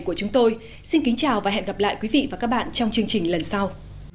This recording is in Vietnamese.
của chúng tôi xin kính chào và hẹn gặp lại quý vị và các bạn trong chương trình lần sau